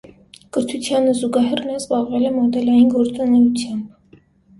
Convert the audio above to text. Կրթությանը զուգահեռ նա զբաղվել է մոդելային գործունեությամբ։